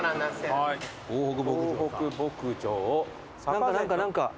何か何か何か。